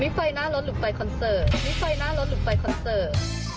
มีไฟหน้ารถหรือไฟคอนเสิร์ต